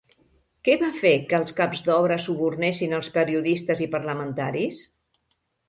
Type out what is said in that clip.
Què va fer que els caps d'obra subornessin als periodistes i parlamentaris?